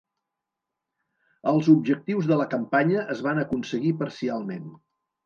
Els objectius de la campanya es van aconseguir parcialment.